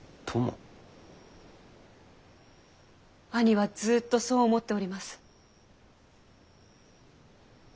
兄はずっとそう思っております。